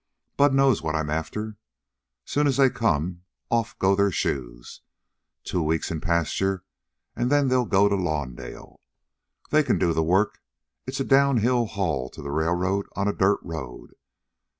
Bud knows what I 'm after. Soon as they come, off go their shoes. Two weeks in pasture, an' then they go to Lawndale. They can do the work. It's a down hill haul to the railroad on a dirt road.